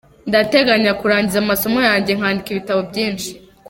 Ndateganya kurangiza amasomo yanjye nkandika ibitabo byinshi.